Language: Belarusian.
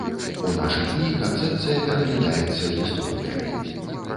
У нашы дні канцэпцыя пераглядаецца гісторыкамі.